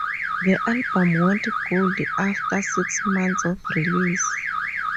The album went gold after six months of release.